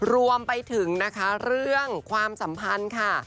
รวมไปถึงนะคะเรื่องความสัมพันธ์ค่ะ